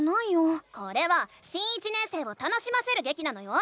これは新１年生を楽しませるげきなのよ！